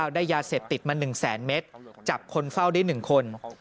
ได้ยาเสพติดมา๑แสนเมตรจับคนเฝ้าได้๑คน